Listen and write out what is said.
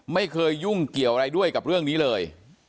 ไม่เคยยุ่งเกี่ยวอะไรด้วยกับเรื่องนี้เลย